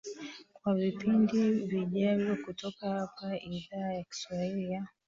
kwa vipindi vijavyo kutoka hapa idhaa ya kiswahili ya